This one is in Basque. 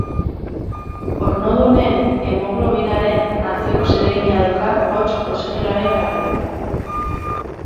Ornodunen hemoglobinaren antzeko zeregina dauka, hots, oxigenoaren garraioa.